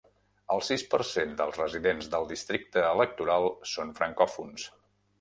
El sis per cent dels residents del districte electoral són francòfons.